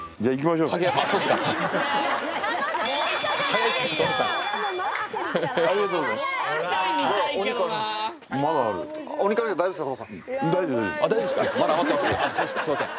すいません。